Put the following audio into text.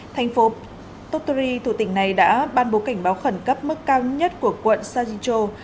thành phố tottori thủ tỉnh này đã ban bố cảnh báo khẩn cấp mức cao nhất của quận sajicho